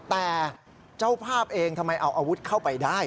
แต่เจ้าภาพเองทำไมเอาอาวุธเข้าไปได้